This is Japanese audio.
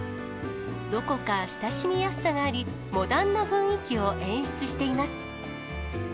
どこか親しみやすさがあり、モダンな雰囲気を演出しています。